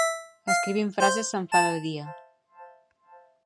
Escrivint frases se'm fa de dia